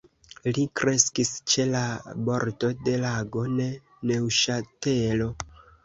Li kreskis ĉe la bordo de Lago de Neŭŝatelo.